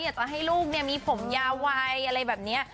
อยากจะให้ลูกมีผมยาววายอะไรแบบนี้